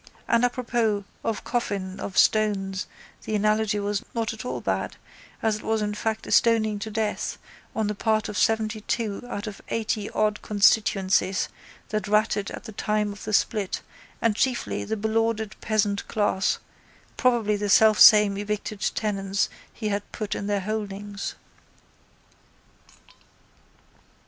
And apropos of coffin of stones the analogy was not at all bad as it was in fact a stoning to death on the part of seventytwo out of eighty odd constituencies that ratted at the time of the split and chiefly the belauded peasant class, probably the selfsame evicted tenants he had put in their holdings.